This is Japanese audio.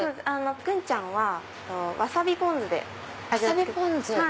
グンちゃんはわさびポン酢で味を付けてます。